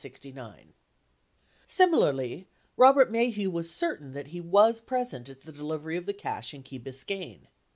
59 Similarly, Bobert Maheu was certain that he was present at the delivery of the cash in Key Biscayne.